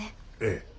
ええ。